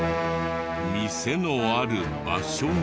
店のある場所が。